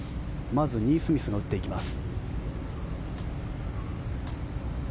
まず、ニースミスが打っていきます。